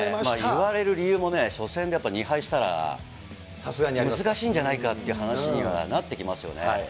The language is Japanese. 言われる理由もね、初戦でやっぱり２敗したら、難しいんじゃないかという話にはなってきますよね。